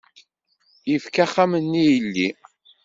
Efk axxam-nni i yelli.